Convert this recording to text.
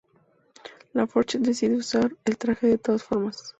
La Forge decide usar el traje de todas formas.